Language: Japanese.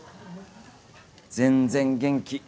全然元気。